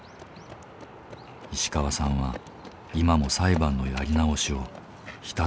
石川さんは今も裁判のやり直しをひたすら求め続けている。